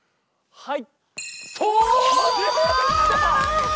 はい。